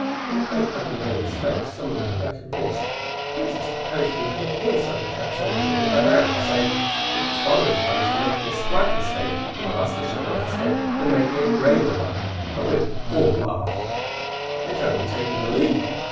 When Beethoven made a mistake similar to that of Ries, the Princess playfully hit him several taps on the head with her hand, saying: "If the scholar is punished for making a slight mistake, the master should not escape, when making a graver one," at which all laughed, Beethoven taking the lead.